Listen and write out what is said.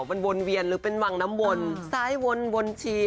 มันวนเวียนหรือเป็นวังน้ำวนซ้ายวนวนชี